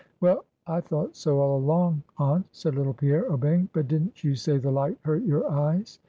"Well, I thought so all along, aunt," said little Pierre, obeying; "but didn't you say the light hurt your eyes."